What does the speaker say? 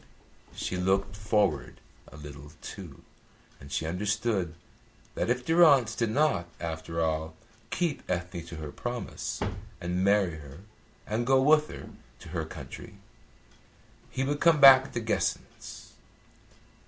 She looked forward a little, too, and she understood that if Durrance did not, after all, keep Ethne to her promise and marry her and go with her to her country, he would come back to Guessens.